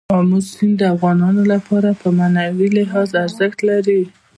آمو سیند د افغانانو لپاره په معنوي لحاظ ارزښت لري.